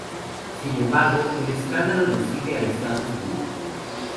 Sin embargo, el escándalo lo sigue a Estados Unidos.